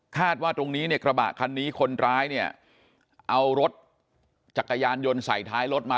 ว่าตรงนี้เนี่ยกระบะคันนี้คนร้ายเนี่ยเอารถจักรยานยนต์ใส่ท้ายรถมา